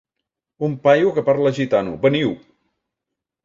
Un paio que parla gitano, veniu!